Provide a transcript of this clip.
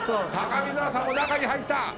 高見沢さんも中に入った！